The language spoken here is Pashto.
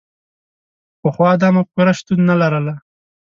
پخوا دا مفکوره شتون نه لرله.